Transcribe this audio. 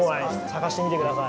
探してみてください。